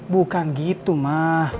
bukan gitu ma